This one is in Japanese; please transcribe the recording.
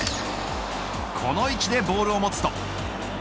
この位置でボールを持つと。